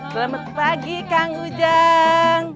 selamat pagi kang ujang